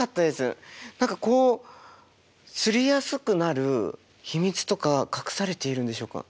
何かこうすりやすくなる秘密とか隠されているんでしょうか？